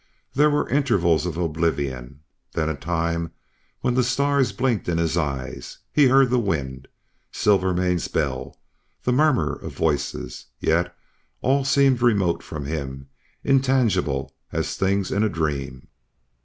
There were intervals of oblivion, then a time when the stars blinked in his eyes; he heard the wind, Silvermane's bell, the murmur of voices, yet all seemed remote from him, intangible as things in a dream.